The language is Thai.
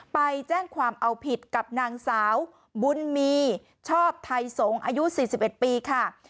ไปแจ้งความเอาผิดกับนางสาวบุญมีชอบไทยสงศ์อายุ๔๑ปีค่ะ